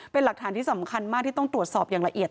เป็นหลักฐานที่สำคัญมากที่ต้องตรวจสอบอย่างละเอียด